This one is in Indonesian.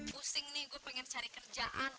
pusing nih gue pengen cari kerjaan